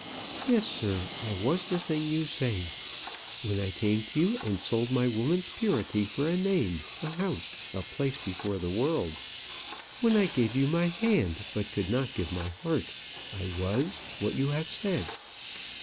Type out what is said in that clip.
"Yes, sir, I was the thing you say. When I came to you, and sold my woman's purity for a name, a house, a place before the world when I gave you my hand, but could not give my heart, I was what you have said."